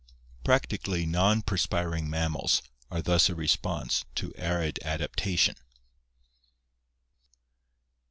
Practically non perspiring mammals are thus a response to arid adaptation.